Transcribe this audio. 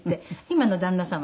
「今の旦那様」